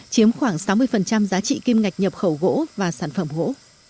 chiếm khoảng sáu mươi giá trị kim ngạch nhập khẩu gỗ và sản phẩm gỗ